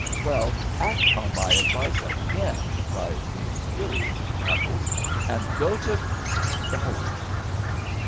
"Well, act on my advice again," cried the infuriated Cupples, "and go to—the hold."